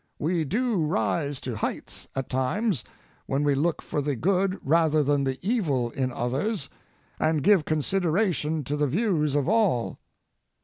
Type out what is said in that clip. We do rise to heights, at times, when we look for the good rather than the evil in others, and give consideration to the views of all.